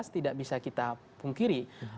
tidak bisa kita pungkiri